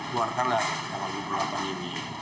buat telat kalau dua puluh delapan ini